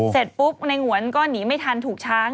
เสร็จปุ๊บในหงวนก็หนีไม่ทันถูกช้าง